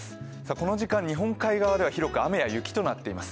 この時間日本海側では広く雨や雪となっています。